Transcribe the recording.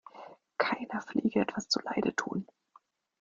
Keiner Fliege etwas zuleide tun.